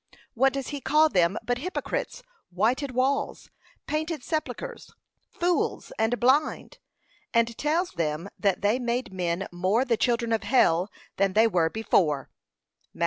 What does he call them but hypocrites, whited walls, painted sepulchres, fools, and blind? and tells them that they made men more the children of hell than they were before. (Matt.